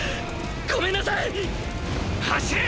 ごめんなさい走れ！